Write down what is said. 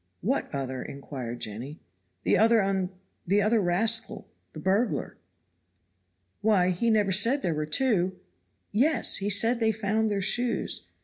"What other?" inquired Jenny. "The other unfor the other rascal the burglar." "Why he never said there were two." "Y yes! he said they found their shoes."